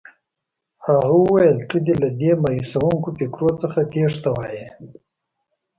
هغه وویل دې ته له مایوسوونکو فکرو څخه تېښته وایي.